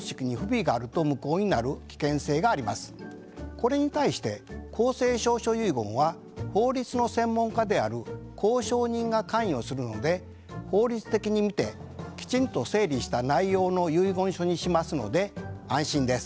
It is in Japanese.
これに対して公正証書遺言は法律の専門家である公証人が関与するので法律的に見てきちんと整理した内容の遺言書にしますので安心です。